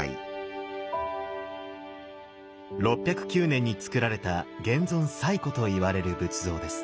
６０９年につくられた現存最古といわれる仏像です。